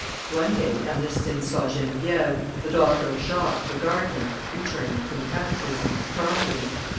One day Ernestine saw Geneviève, the daughter of Jacques, the gardener, returning from catechism, crying.